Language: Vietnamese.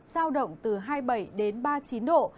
giao động từ hai mươi bảy đến ba mươi chín độ